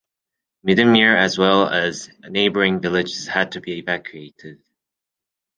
Middenmeer as well as neighboring villages had to be evacuated.